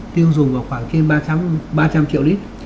tiêu dùng vào khoảng trên ba trăm linh triệu lít